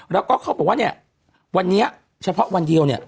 แล้วก็เขาบอกว่าวันนี้เฉพาะวันเยียว